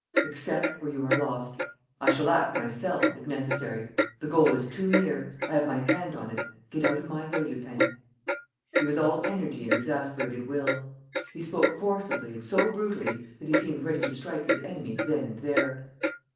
Accept, or you are lost. I shall act myself, if necessary. The goal is too near ... I have my hand on it. ... Get out of my way, Lupin!" He was all energy and exasperated will. He spoke forcibly and so brutally that he seemed ready to strike his enemy then and there.